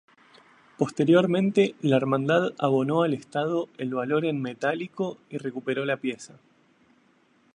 Posteriormente la hermandad abonó al estado el valor en metálico y recuperó la pieza.